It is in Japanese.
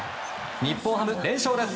日本ハム、連勝です。